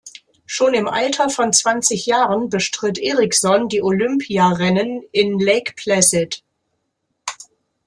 Schon im Alter von zwanzig Jahren bestritt Eriksson die Olympia-Rennen in Lake Placid.